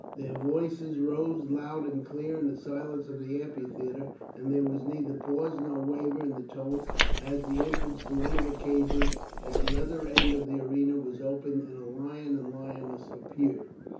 Their voices rose loud and clear in the silence of the amphitheatre, and there was neither pause nor waver in the tone as the entrance to one of the cages at the other end of the arena was opened, and a lion and a lioness appeared.